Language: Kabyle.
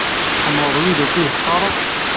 Tḥemmleḍ wid ukud teqqareḍ?